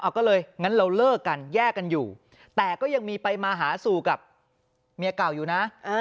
ก็เลยงั้นเราเลิกกันแยกกันอยู่แต่ก็ยังมีไปมาหาสู่กับเมียเก่าอยู่นะ